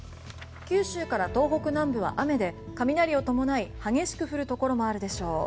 九州から東北南部は雨で雷を伴い激しく降るところもあるでしょう。